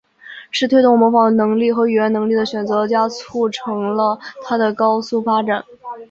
是推动模仿能力和语言能力的选择压促成了它的高速发展。